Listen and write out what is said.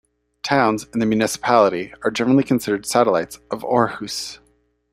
Towns in the municipality are generally considered satellites of Aarhus.